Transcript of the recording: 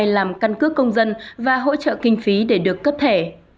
làm căn cước công dân và hỗ trợ kinh phí để được cấp thẻ